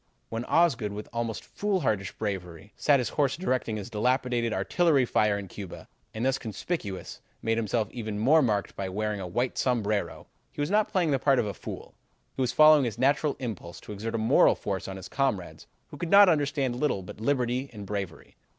"When Osgood, with almost foolhardy bravery, sat his horse directing his dilapidated artillery fire in Cuba, and thus conspicuous, made himself even more marked by wearing a white sombrero, he was not playing the part of a fool; he was following his natural impulse to exert a moral force on his comrades who could understand little but liberty and bravery.